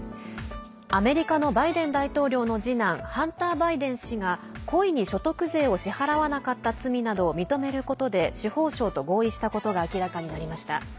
アメリカのバイデン大統領の次男ハンター・バイデン氏が故意に所得税を支払わなかった罪などを認めることで司法省と合意したことが明らかになりました。